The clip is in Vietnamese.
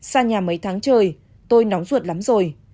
xa nhà mấy tháng trời tôi nóng ruột lắm rồi